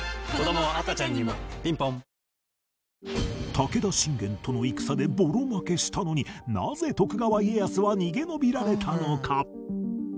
武田信玄との戦でボロ負けしたのになぜ徳川家康は逃げのびられたのか？